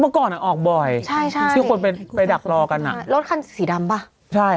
เมื่อก่อนอ่ะออกบ่อยใช่ใช่ซึ่งคนไปไปดักรอกันอ่ะรถคันสีดำป่ะใช่